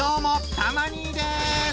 たま兄です！